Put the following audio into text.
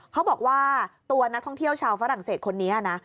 เขาบอกว่าตัวนักท่องเที่ยวชาวฝรั่งเศสคนนี้นะ